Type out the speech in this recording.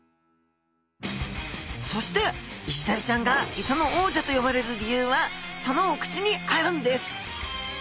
そしてイシダイちゃんが磯の王者と呼ばれる理由はそのお口にあるんです！